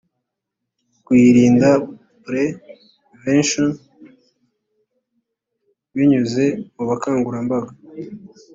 kuyirinda pr vention binyuze mu bukangurambaga